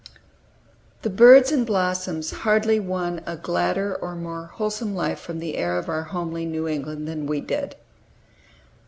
The birds and blossoms hardly won a gladder or more wholesome life from the air of our homely New England than we did.